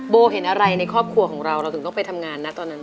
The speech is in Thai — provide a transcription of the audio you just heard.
เห็นอะไรในครอบครัวของเราเราถึงต้องไปทำงานนะตอนนั้น